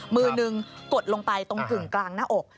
มือหนึ่งกดลงไปตรงกึ่งกลางหน้าอก